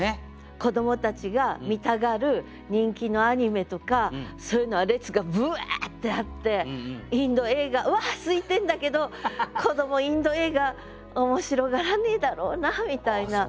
子どもたちが見たがる人気のアニメとかそういうのは列がブワーッてあってインド映画は空いてんだけど子どもインド映画面白がらねえだろうなみたいな。